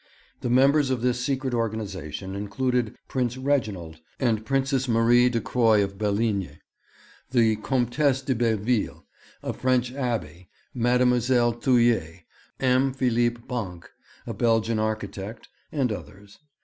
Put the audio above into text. The members of this secret organization included Prince Reginald and Princess Marie de Croy of Belignies, the Comtesse de Belleville, a French abbé, Mademoiselle Thulier, M. Philippe Bancq, a Belgian architect, and others.